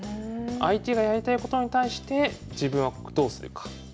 相手がやりたいことに対して自分はどうするか。